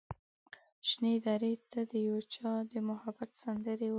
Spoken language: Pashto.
شنې درې ته د یو چا د محبت سندرې وايي